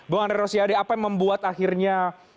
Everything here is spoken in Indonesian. pak andri rosiade apa yang membuat akhirnya